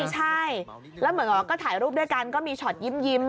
ใช่แล้วเหมือนกับก็ถ่ายรูปด้วยกันก็มีช็อตยิ้ม